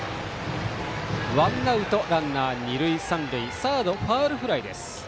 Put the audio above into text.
ワンアウトランナー、二塁三塁サードファウルフライです。